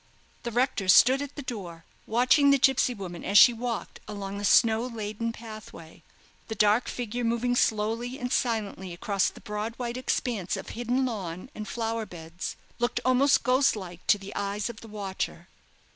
The rector stood at the door, watching the gipsy woman as she walked along the snow laden pathway. The dark figure moving slowly and silently across the broad white expanse of hidden lawn and flower beds looked almost ghost like to the eyes of the watcher.